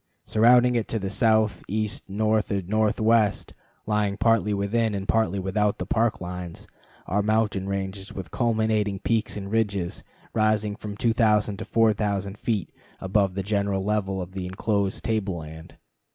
Surrounding it on the south, east, north, and northwest, lying partly within and partly without the Park lines, are mountain ranges with culminating peaks and ridges rising from 2000 to 4000 feet above the general level of the inclosed table land.